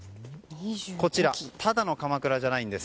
こちら、ただのかまくらじゃないんです。